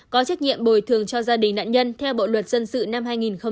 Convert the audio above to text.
có trách nhiệm bồi thường cho gia đình nạn nhân theo bộ luật dân sự năm hai nghìn một mươi năm